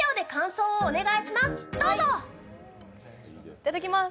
いただきます。